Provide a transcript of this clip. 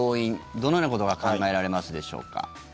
どのようなことが考えられますでしょうか。